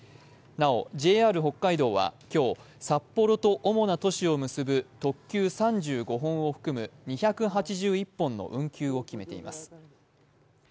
なおＪＲ北海道は今日、札幌と主な都市を結ぶ特急３５本を含む２８１本の運休を決めています。